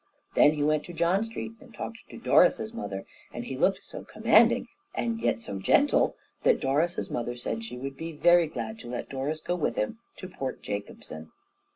Then he went to John Street and talked to Doris's mother, and he looked so commanding and yet so gentle that Doris's mother said she would be very glad to let Doris go with him to Port Jacobson.